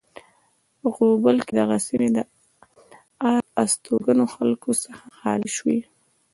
غوبل کې دغه سیمې له آر استوګنو خلکو څخه خالی شوې.